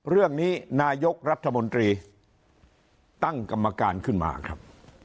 เรื่องนี้นายกรัฐมนตรีตั้งกรรมการขึ้นมาครับ